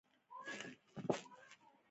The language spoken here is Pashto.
هغه په اته کلنۍ کې په یوې مړې نجلۍ مین شو